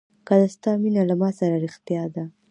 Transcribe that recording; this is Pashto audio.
که د ستا مینه له ما سره رښتیا ده.